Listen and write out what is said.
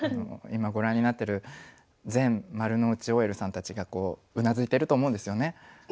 今ご覧になってる全丸の内ＯＬさんたちがうなずいてると思うんですよね。